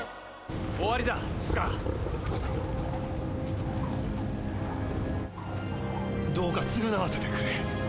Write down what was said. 終わりだスカーどうか償わせてくれ